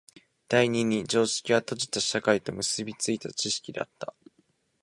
第二に常識は閉じた社会と結び付いた知識であった。